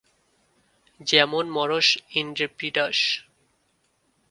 যেমন মরোস ইন্ট্রেপিডাস।